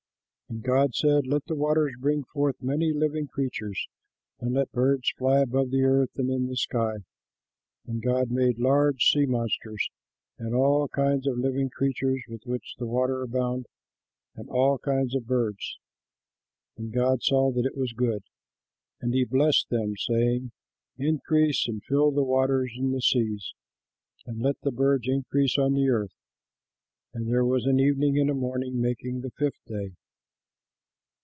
And God said, "Let the waters bring forth many living creatures and let birds fly above the earth and in the sky." And God made large sea monsters and all kinds of living creatures with which the waters abound, and all kinds of birds. And God saw that it was good. And he blessed them, saying, "Increase and fill the waters in the seas, and let the birds increase on the earth." And there was an evening and a morning, making the fifth day.